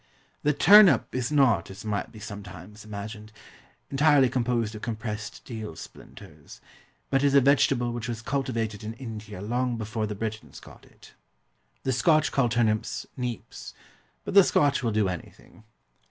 The Turnip is not, as might be sometimes imagined, entirely composed of compressed deal splinters, but is a vegetable which was cultivated in India long before the Britons got it. The Scotch call turnips "neeps"; but the Scotch will do anything.